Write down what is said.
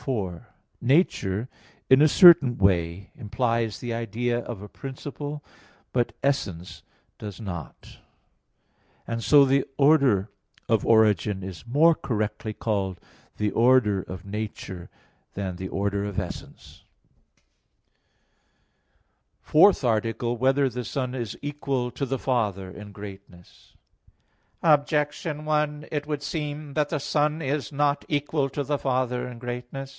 4: Nature in a certain way implies the idea of a principle, but essence does not; and so the order of origin is more correctly called the order of nature than the order of essence. _______________________ FOURTH ARTICLE [I, Q. 4, Art. 4] Whether the Son Is Equal to the Father in Greatness? Objection 1: It would seem that the Son is not equal to the Father in greatness.